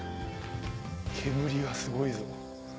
煙がすごいぞ。